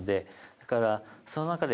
だからその中で。